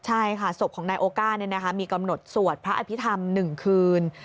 ใช่ค่ะศพของนายโอก้ามีกำหนดสวดพระอภิษฐรรม๑คืน